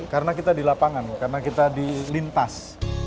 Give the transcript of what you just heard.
karena kita di lapangan karena kita di lintas